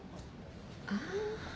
ああ。